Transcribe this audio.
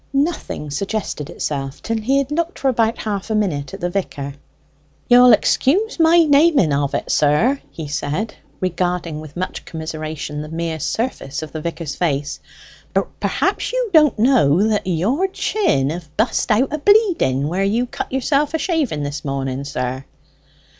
Nothing suggested itself till he had looked for about half a minute at the vicar. "You'll excuse my naming of it, sir," he said, regarding with much commiseration the mere surface of the vicar's face; "but perhaps you don't know that your chin have bust out a bleeding where you cut yourself a shaving this morning, sir."